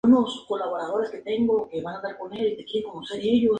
La serie está ambientada en la dinastía Han del Este de China.